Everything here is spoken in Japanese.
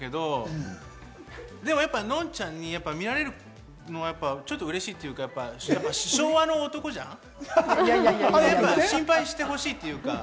でも結構うまく隠してるんだけど、でも、のんちゃんに見られるのはちょっと嬉しいというか、昭和の男じゃん？心配してほしいっていうか。